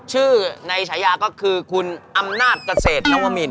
ชื่อในฉายาก็คือคุณอำนาจเกษตรนวมิน